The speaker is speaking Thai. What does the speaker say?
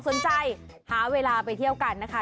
ใครสนอกสนใจหาเวลาไปเที่ยวกันนะคะ